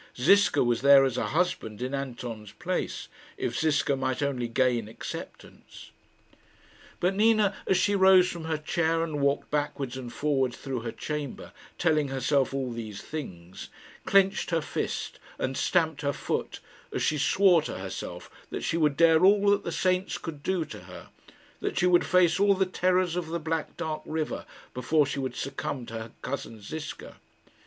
Ziska was there as a husband in Anton's place, if Ziska might only gain acceptance. But Nina, as she rose from her chair and walked backwards and forwards through her chamber, telling herself all these things, clenched her fist, and stamped her foot, as she swore to herself that she would dare all that the saints could do to her, that she would face all the terrors of the black dark river, before she would succumb to her cousin Ziska.